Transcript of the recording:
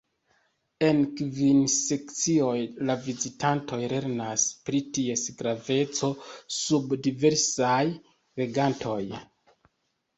En kvin sekcioj la vizitantoj lernas pri ties graveco sub diversaj regantoj.